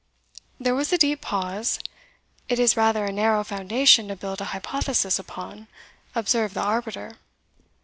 There was a deep pause. "It is rather a narrow foundation to build a hypothesis upon," observed the arbiter.